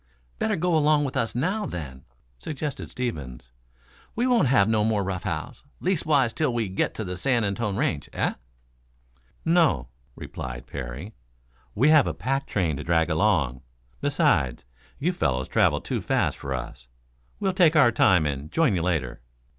"Better go along with us now, then," suggested Stevens. "We won't have no more rough house, leastwise till we get to the San Antone Range, eh?" "No," replied Parry. "We have a pack train to drag along. Besides, you fellows travel too fast for us. We'll take our time and join you later."